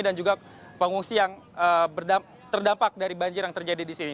dan juga pengungsi yang terdampak dari banjir yang terjadi di sini